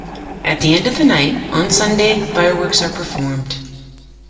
At the end of the night on Sunday, fireworks are performed.